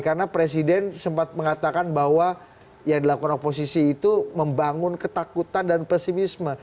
karena presiden sempat mengatakan bahwa yang dilakukan oposisi itu membangun ketakutan dan pesimisme